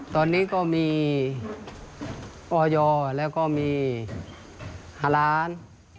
ตอนนี้ก็มีออยแล้วก็มี๕ล้าน